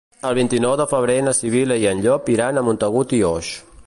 El vint-i-nou de febrer na Sibil·la i en Llop iran a Montagut i Oix.